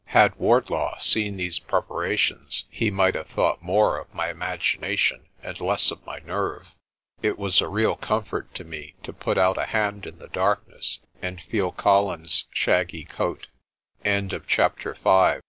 Had Wardlaw seen these prep arations he might have thought more of my imagination and less of my nerve. It was a real comfort to me to put out a hand in the darkness and feel